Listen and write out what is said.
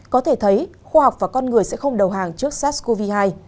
có thể thấy khoa học và con người sẽ không đầu hàng trước sars cov hai